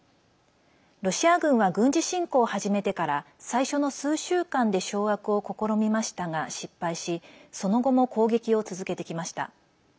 ロシア軍は軍事侵攻を始めてから最初の数週間で掌握を試みましたが失敗しその後も攻撃を続けてきました。